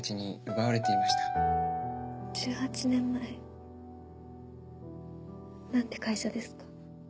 １８年前？なんて会社ですか？